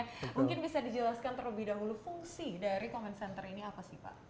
mungkin bisa dijelaskan terlebih dahulu fungsi dari common center ini apa sih pak